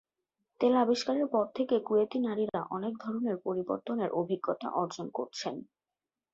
তেল আবিষ্কারের পর থেকে কুয়েতি নারীরা অনেক ধরনের পরিবর্তনের অভিজ্ঞতা অর্জন করছেন।